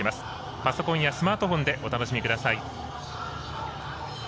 パソコンやスマートフォンでお楽しみください。